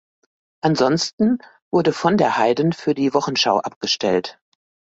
Ansonsten wurde von der Heyden für die Wochenschau abgestellt.